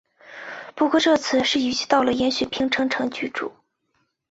不过这次是移居到了延雪平城城居住。